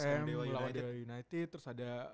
lawan dl united terus ada